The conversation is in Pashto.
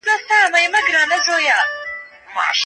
ولي د اقلیمي ډیپلوماسۍ اړتیا ډېره سوې ده؟